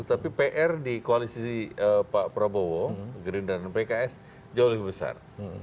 tapi pr di koalisi pak prabowo gerindra dan pks jauh lebih besar